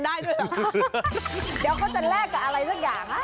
เดี๋ยวเค้าจะแลกกับอะไรสักอย่าง